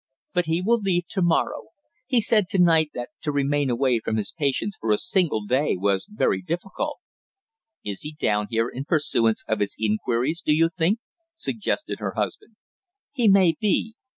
"But he will leave to morrow. He said to night that to remain away from his patients for a single day was very difficult." "Is he down here in pursuance of his inquiries, do you think?" suggested her husband. "He may be.